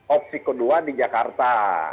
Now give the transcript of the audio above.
opsi kedua di jakarta